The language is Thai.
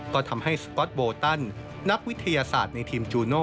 ก็ทำให้สก๊อตโบตันนักวิทยาศาสตร์ในทีมจูโน่